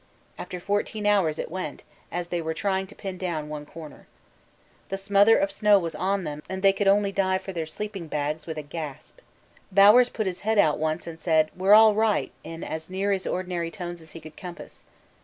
After fourteen hours it went, as they were trying to pin down one corner. The smother of snow was on them, and they could only dive for their sleeping bags with a gasp. Bowers put his head out once and said, 'We're all right,' in as near his ordinary tones as he could compass.